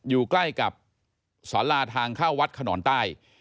อยู่ใกล้กับสอนลาทางข้าววัดขนรติ์ใต้